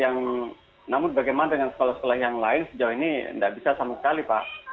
namun bagaimana dengan sekolah sekolah yang lain sejauh ini tidak bisa sama sekali pak